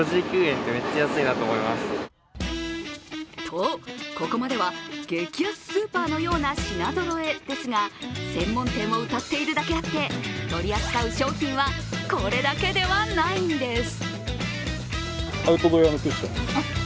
とここまでは激安スーパーのような品ぞろえですが、専門店をうたっているだけあって取り扱う商品はこれだけではないんです。